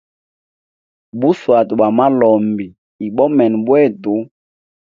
Bu shwata bwa malombi ibomene bwetu.